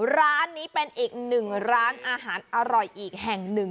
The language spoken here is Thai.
ร้านนี้เป็นอีกหนึ่งร้านอาหารอร่อยอีกแห่งหนึ่ง